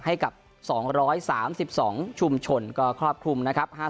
ให้กับ๒๓๒ชุมชนก็ครอบคลุมนะครับ